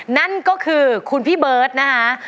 นั่นก็คือคุณพี่เบิร์ตนะคะ